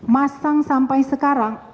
masang sampai sekarang